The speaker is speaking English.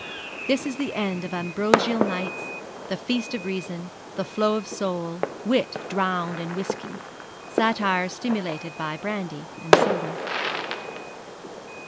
This is the end of ambrosial nights, the feast of reason, the flow of soul, wit drowned in whisky, satire stimulated by brandy and soda.